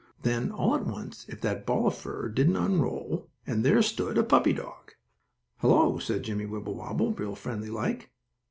Then, all at once, if that ball of fur didn't unroll, and there stood a puppy dog! "Hello!" called Jimmie Wibblewobble, real friendly like.